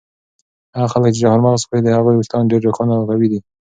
هغه خلک چې چهارمغز خوري د هغوی ویښتان ډېر روښانه او قوي وي.